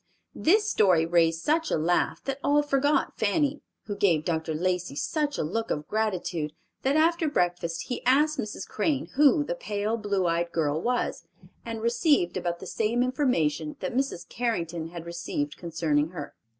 This story raised such a laugh that all forgot Fanny, who gave Dr. Lacey such a look of gratitude that after breakfast he asked Mrs. Crane who the pale, blue eyed girl was, and received about the same information that Mrs. Carrington had received concerning her.